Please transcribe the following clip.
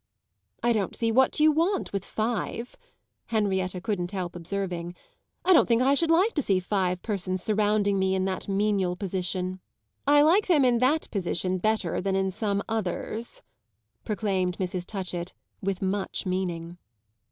"I don't see what you want with five," Henrietta couldn't help observing. "I don't think I should like to see five persons surrounding me in that menial position." "I like them in that position better than in some others," proclaimed Mrs. Touchett with much meaning.